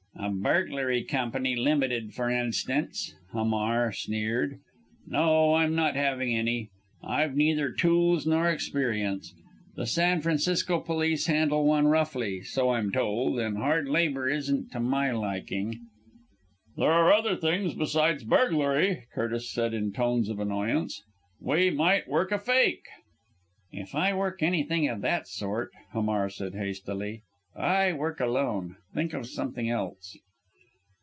"A Burglary Company Limited, for instance!" Hamar sneered. "No! I'm not having any. I've neither tools nor experience. The San Francisco police handle one roughly, so I'm told, and hard labour isn't to my liking." "There are other things besides burglary!" Curtis said in tones of annoyance. "We might work a fake." "If I work anything of that sort," Hamar said hastily, "I work alone. Think of something else."